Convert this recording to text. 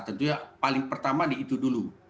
tentunya paling pertama di itu dulu